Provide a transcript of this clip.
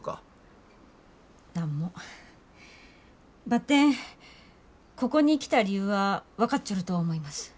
ばってんここに来た理由は分かっちょると思います。